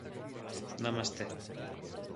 Namasté.